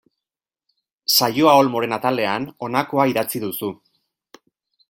Saioa Olmoren atalean honakoa idatzi duzu.